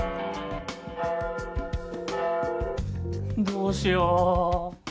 どうしよう。